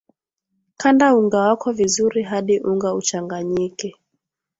kanda unga wako vizuri hadi unga uchanganyike